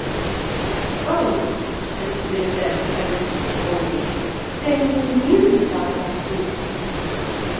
'Oh,' said the Princess, a little disappointed, 'then you knew that I loved you?'